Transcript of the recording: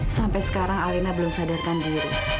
sampai sekarang alina belum sadarkan diri